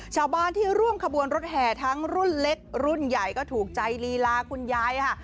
ชาวบ้านที่ร่วมขบวนรถแห่ทั้งรุ่นเล็กรุ่นใหญ่ก็ถูกใจลีลาคุณยายค่ะ